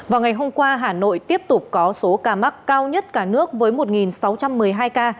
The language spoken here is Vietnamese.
vào ngày hôm qua hà nội tiếp tục có số ca mắc cao nhất cả nước với một sáu trăm một mươi hai ca